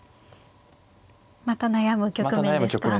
また悩む局面ですか。